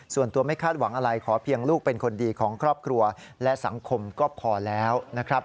ส่วนตัวไม่คาดหวังอะไรขอเพียงลูกเป็นคนดีของครอบครัวและสังคมก็พอแล้วนะครับ